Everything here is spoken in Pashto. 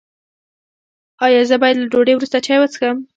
ایا زه باید له ډوډۍ وروسته چای وڅښم؟